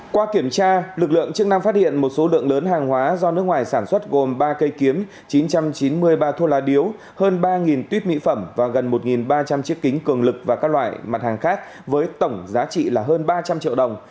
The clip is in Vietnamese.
qua kiểm tra lực lượng chức năng phát hiện một số lượng lớn hàng hóa do nước ngoài sản xuất gồm ba cây kiếm chín trăm chín mươi ba thuốc lá điếu hơn ba tuyếp mỹ phẩm và gần một ba trăm linh chiếc kính cường lực và các loại mặt hàng khác với tổng giá trị là hơn ba trăm linh triệu đồng